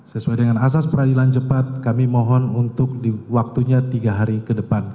sesuai dengan asas peradilan cepat kami mohon untuk waktunya tiga hari ke depan